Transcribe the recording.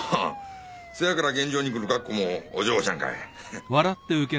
せやから現場にくる格好もお嬢ちゃんかい。